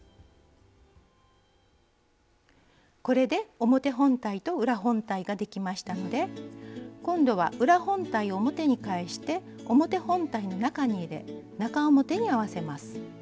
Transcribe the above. これで表本体と裏本体ができましたので今度は裏本体を表に返して表本体の中に入れ中表に合わせます。